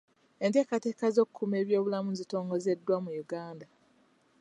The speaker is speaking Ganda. Enteekateeka z'okukuuma ebyobulamu zitongozeddwa mu Uganda.